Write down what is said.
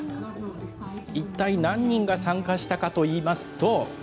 一体何人が参加したかといいますと。